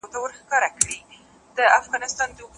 په خپله څېړنه کي د نورو کسانو بې ځایه لاسوهنه مه منئ.